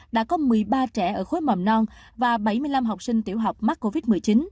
đã có một mươi ba trẻ ở khối mầm non và bảy mươi năm học sinh tiểu học mắc covid một mươi chín